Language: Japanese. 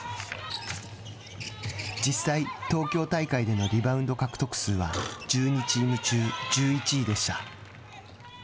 実際、東京大会でのリバウンド獲得数は１２チーム中１１位でした。